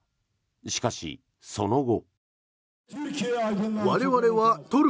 しかし、その後。